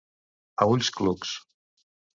A ulls clucs.